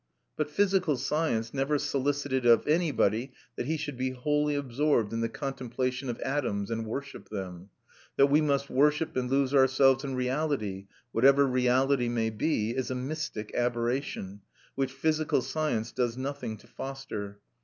But physical science never solicited of anybody that he should be wholly absorbed in the contemplation of atoms, and worship them; that we must worship and lose ourselves in reality, whatever reality may be, is a mystic aberration, which physical science does nothing to foster.